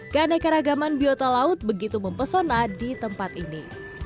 keanekaragaman biota laut begitu mempesona di tempat ini